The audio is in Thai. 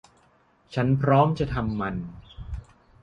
ฉันพร้อมจะทำมัน